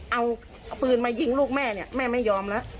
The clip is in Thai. เอาปืนมายิงลูกแม่เนี่ยแม่ไม่ยอมแล้ว